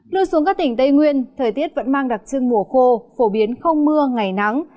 lưu xuống các tỉnh tây nguyên thời tiết vẫn mang đặc trưng mùa khô phổ biến không mưa ngày nắng